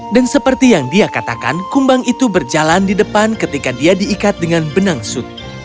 dan seperti yang dia katakan kumbang itu berjalan di depan ketika dia diikat dengan benang sutra